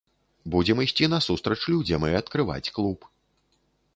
Будзем ісці насустрач людзям і адкрываць клуб.